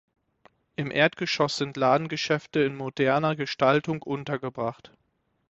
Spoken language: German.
Im Erdgeschoss sind Ladengeschäfte in moderner Gestaltung untergebracht.